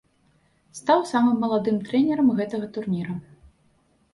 Стаў самым маладым трэнерам гэтага турніра.